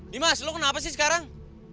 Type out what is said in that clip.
dimas lu kenapa sih sekarang